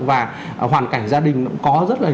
và hoàn cảnh gia đình cũng có rất là